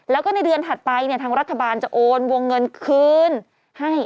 แล้วก็ในเดือนถัดไปเนี่ยทางรัฐบาลจะโอนวงเงินคืนให้